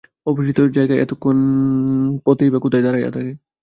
অপরিচিত জায়গায় এতক্ষণ পথেই বা কোথায় দাঁড়াইয়া থাকে?